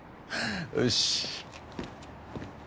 よし。